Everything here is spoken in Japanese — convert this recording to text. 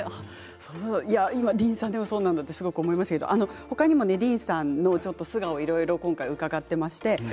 ディーンさんでもそうなんだと思いましたけど、他にもディーンさんの素顔をいろいろと伺っています。